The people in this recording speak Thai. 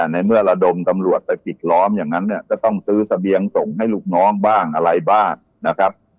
ในเมื่อระดมตำรวจไปปิดล้อมอย่างนั้นเนี่ยจะต้องซื้อเสบียงส่งให้ลูกน้องบ้างอะไรบ้างนะครับ